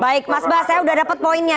baik mas bas saya sudah dapat poinnya